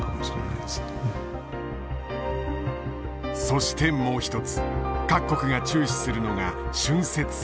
そしてもう一つ各国が注視するのが浚渫船だ。